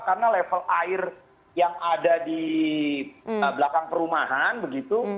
karena level air yang ada di belakang perumahan begitu